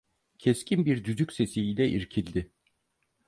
Keskin bir düdük sesi ile irkildi.